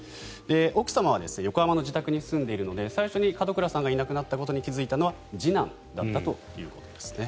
奥様は横浜の自宅に住んでいるので最初に門倉さんがいなくなったことに気付いたのは次男だったということですね。